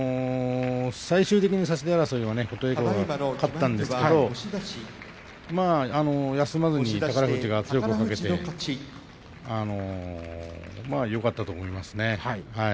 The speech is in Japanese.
最終的に差し手争いは琴恵光が勝ったんですが休まずに宝富士が圧力をかけてよかったと思います。